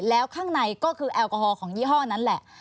แล้วข้างในก็คือแอลกอฮอลของยี่ห้อนั้นแหละ